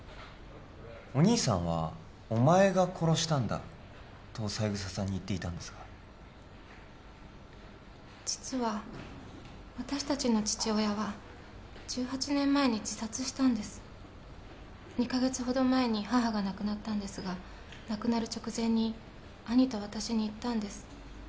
お兄さんは「お前が殺したんだ」と三枝さんに言っていたんですが実は私達の父親は１８年前に自殺したんです２ヵ月ほど前に母が亡くなったんですが亡くなる直前に兄と私に言ったんです